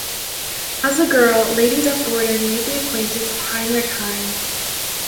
As a girl Lady Duff-Gordon made the acquaintance of Heinrich Heine.